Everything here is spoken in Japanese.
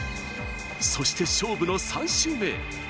そして勝負の３周目へ。